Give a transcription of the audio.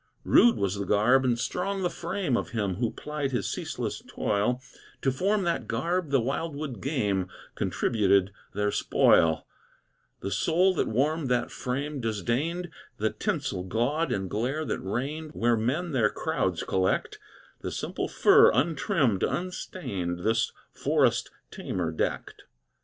Rude was the garb and strong the frame Of him who plied his ceaseless toil: To form that garb the wildwood game Contributed their spoil; The soul that warmed that frame disdained The tinsel, gaud, and glare that reigned Where men their crowds collect; The simple fur, untrimmed, unstained, This forest tamer decked.